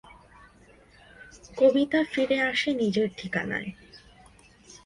কবিতা ফিরে আসে নিজের ঠিকানায়।